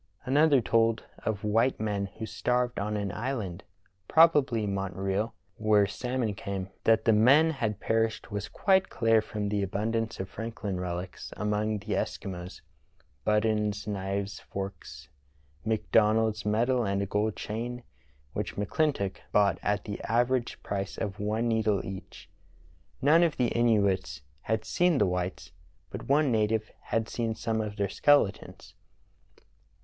Another told of white men who starved on an island (probably Montreal) where salmon came. That the men had perished was quite clear from the abundance of Frank hn relics among the Eskimos — buttons, knives, forks, McDonald's medal and a gold chain, which McClintock bought at the average price of one needle each. None of the Inuits had seen the whites, but one native had seen some of their skeletons.